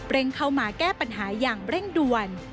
เข้ามาแก้ปัญหาอย่างเร่งด่วน